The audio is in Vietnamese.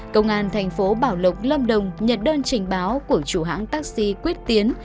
công an thành phố bảo lộc lâm đồng nhận đơn trình báo của chủ hãng taxi quyết tiến